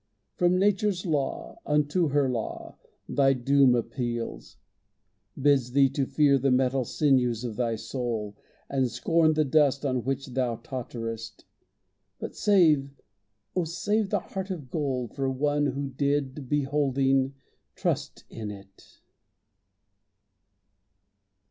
From Nature's law, Unto her law, thy doom appeals; bids thee To fear the metal sinews of thy soul, And scorn the dust on which thou totterest; But save, oh, save the heart of gold for one Who did, beholding, trust in it.